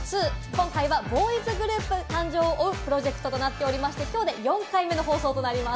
今回はボーイズグループ誕生プロジェクトとなっておりまして、今回で４回目の放送となります。